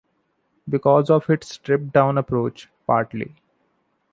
Because of its stripped-down approach, Party!